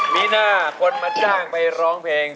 มีหน้าคนมาจ้างไปร้องเพลง